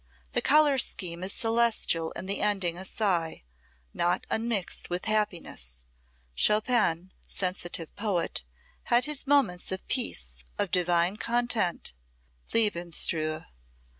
The color scheme is celestial and the ending a sigh, not unmixed with happiness. Chopin, sensitive poet, had his moments of peace, of divine content lebensruhe.